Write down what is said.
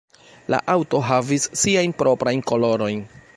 La aŭto havis siajn proprajn kolorojn.